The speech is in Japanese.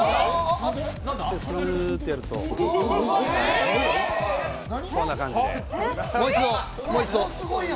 すーってやるとこんな感じで、もう一度。